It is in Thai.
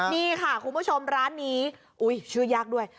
นี่ค่ะคุณผู้ชมร้านนี้ชื่อยากด้วย